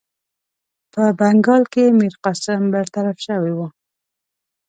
په بنګال کې میرقاسم برطرف شوی وو.